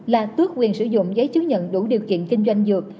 là tước quyền sử dụng giấy chứng nhận đủ điều kiện kinh doanh dược